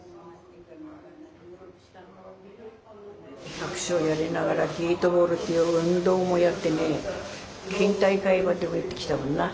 百姓やりながらゲートボールっていう運動もやってね県大会までも行ってきたもんな。